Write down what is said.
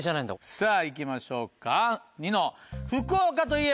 さぁ行きましょうかニノ。